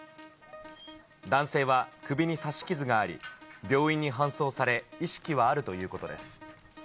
男性は首に刺し傷があり、病院に搬送され、意識はあるということです。